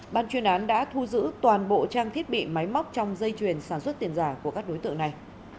ban chuyên án đã thu giữ toàn bộ trang thiết bị máy móc trong dây chuyển sản xuất tiền giả của các đối tượng này